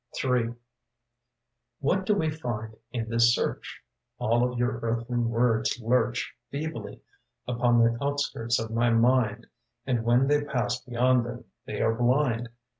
HI \y HAT do we find in this search? All of your earthly words lurch Feebly upon the outskirts of my mind, And when they pass beyond them, they are blind.